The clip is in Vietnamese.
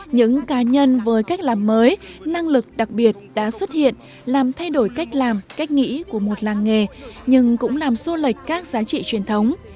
những cá nhân với cách làm mới năng lực đặc biệt đã xuất hiện làm thay đổi cách làm cách nghĩ của một làng nghề nhưng cũng làm xô lệch các giá trị truyền thống